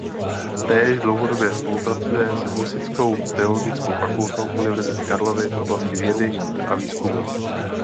Též dlouhodobě spolupracuje s Husitskou teologickou fakultou Univerzity Karlovy v oblasti vědy a výzkumu.